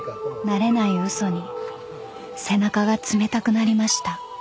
［慣れない嘘に背中が冷たくなりました］